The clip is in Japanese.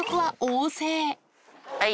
はい。